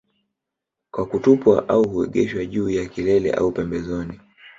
Kwa kutupwa au huegeshwa juu ya kilele au pembezoni